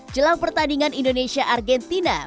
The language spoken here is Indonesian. jelang pertandingan indonesia argentina